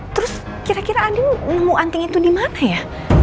terus kira kira andin nemu anting itu dimana ya